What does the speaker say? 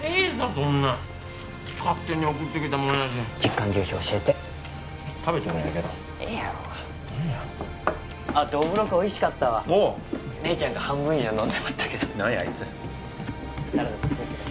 そんなん勝手に送ってきたもんやし実家の住所教えて食べとるんやけどええやろうが何やあっどぶろくおいしかったわおう姉ちゃんが半分以上飲んでまったけど何やあいつサラダとスープです